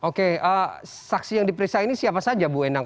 oke saksi yang diperiksa ini siapa saja bu endang